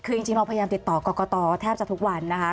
คือจริงเราพยายามติดต่อกรกตแทบจะทุกวันนะคะ